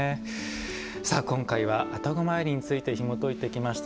今回は愛宕詣りについてひもといてきました。